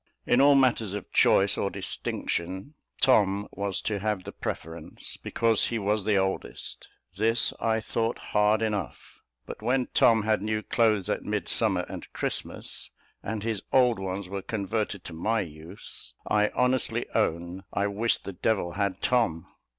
In all matters of choice or distinction, Tom was to have the preference, because he was the oldest: this I thought hard enough; but when Tom had new clothes at Midsummer and Christmas, and his old ones were converted to my use, I honestly own I wished the devil had Tom.